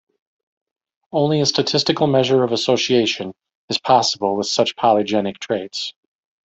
Only a statistical measure of association is possible with such polygenic traits.